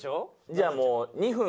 じゃあもう２分。